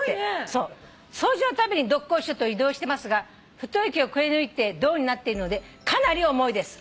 「掃除のたびにどっこいしょと移動してますが太い木をくりぬいて胴になっているのでかなり重いです。